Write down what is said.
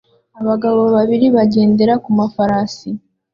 Abagabo babiri bagendera ku mafarasi